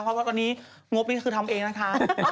เพราะว่าตอนนี้งบนี้ก็คือทำเองนะคะ